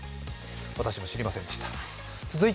私も知りませんでした。